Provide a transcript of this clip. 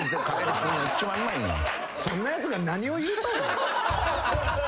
そんなやつが何を言うとんねん。